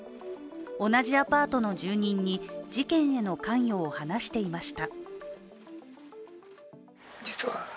同じアパートの住人に事件への関与を話していました。